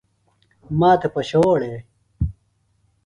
ماتھےۡ پشووڑے؟